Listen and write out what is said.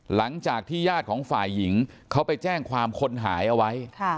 หลังจากที่ญาติของฝ่ายหญิงเขาไปแจ้งความคนหายเอาไว้